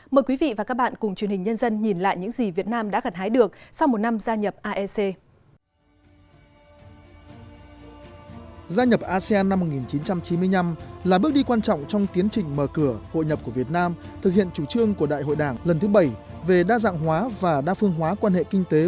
mời quý vị và các bạn cùng truyền hình nhân dân nhìn lại những gì việt nam đã gặt hai